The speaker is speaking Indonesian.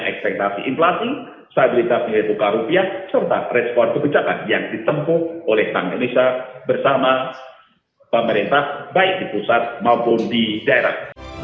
ekspektasi inflasi stabilitas nilai tukar rupiah serta respon kebijakan yang ditempuh oleh bank indonesia bersama pemerintah baik di pusat maupun di daerah